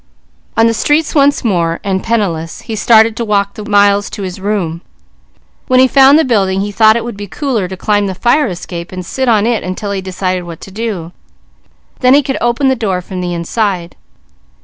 On the streets once more and penniless, he started to walk the miles to his room. When he found the building he thought it would be cooler to climb the fire escape and sit on it until he decided what to do, then he could open the door from the inside.